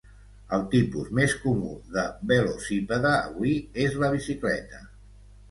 El tipus més comú de velocípede avui és la bicicleta.